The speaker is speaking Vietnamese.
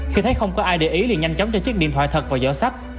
khi thấy không có ai để ý thì nhanh chóng cho chiếc điện thoại thật vào giỏ sách